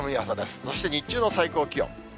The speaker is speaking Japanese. そして日中の最高気温。